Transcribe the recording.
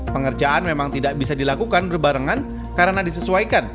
pengerjaan memang tidak bisa dilakukan berbarengan karena disesuaikan